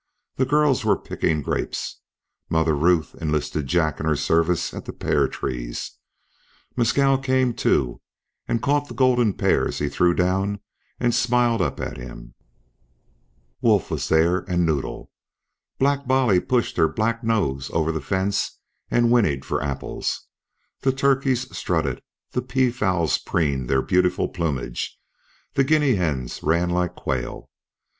The girls were picking grapes; Mother Ruth enlisted Jack in her service at the pear trees; Mescal came, too, and caught the golden pears he threw down, and smiled up at him; Wolf was there, and Noddle; Black Bolly pushed her black nose over the fence, and whinnied for apples; the turkeys strutted, the peafowls preened their beautiful plumage, the guinea hens ran like quail.